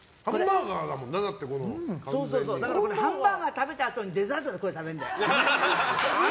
だからハンバーガー食べたあとにデザートでこれ食べるんだよ。